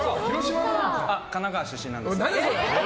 神奈川出身なんですけど。